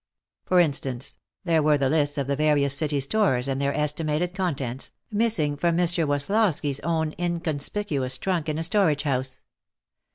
For instance, there were the lists of the various city stores and their estimated contents, missing from Mr. Woslosky's own inconspicuous trunk in a storage house.